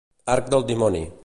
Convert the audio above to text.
Arc del dimoni.